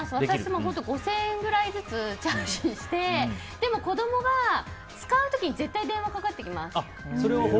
私も５０００円ぐらいずつチャージしてでも子供が使う時絶対電話がかかってきます。